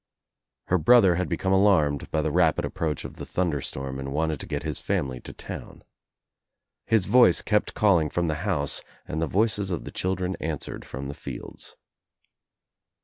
Her brother had become alarmed by the rapid approach of the thunder storm and wanted to get his family to town. His voice kept calling from the house and the voices of the children answered from the fields.